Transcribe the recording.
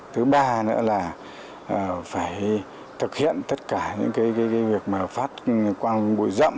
thứ ba nữa là phải thực hiện tất cả những cái việc mà phát qua mũi rậm